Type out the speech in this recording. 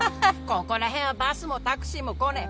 ここら辺はバスもタクシーも来ねえ。